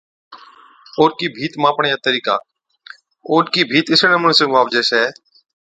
اوڏڪِي ڀِيت ماپڻي چا طرِيقا، اوڏڪِي ڀِيت اِسڙي نمُوني سُون ماپجَي ڇَي